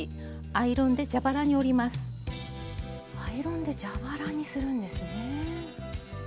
アイロンで蛇腹にするんですね。